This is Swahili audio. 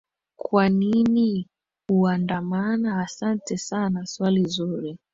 kwa nini uandamana asante sana swali nzuri